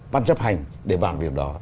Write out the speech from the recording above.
ban chấp hành để bàn việc đó